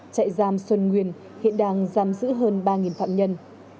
trại giam xuân nguyên hiện đang giam giữ hơn ba phạm nhân